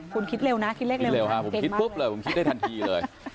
คุณคิดเร็วนะคิดเลขเร็วคุณเก่งมากเลย